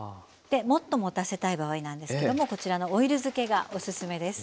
もっともたせたい場合なんですけどもこちらのオイル漬けがおすすめです。